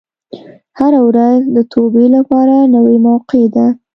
هره ورځ د توبې لپاره نوې موقع ده.